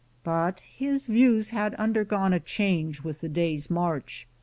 But his views had undergone a change with the day's march.